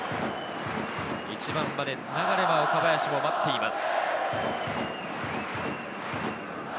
１番までつながれば岡林も待っています。